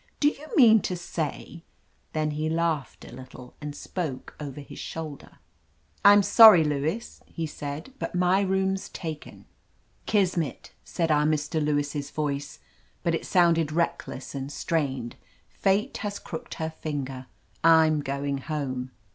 "Do you mean to say —" Then he laughed a little and spoke over his shoulder. "I'm sorry, Lewis," he said, "but my room's taken." "Kismet," said our Mr. Lewis' voice, but it^ sounded reckless and strained. "Fate has crooked her finger; I'm going home."